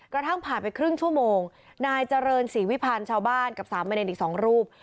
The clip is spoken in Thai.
กระทั่งผ่านไปครึ่งชั่วโมงนายเจริญศรีวิพันธ์ชาวบ้านกับสามเณรอีก๒รูป